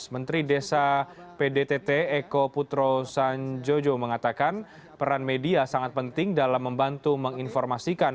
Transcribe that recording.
menteri desa pdtt eko putro sanjojo mengatakan peran media sangat penting dalam membantu menginformasikan